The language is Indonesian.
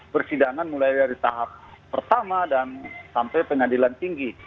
persidangan mulai dari tahap pertama dan sampai pengadilan tinggi